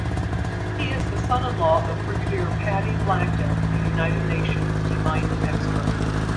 He is the son-in-law of Brigadier Paddy Blagden, a United Nations de-mining expert.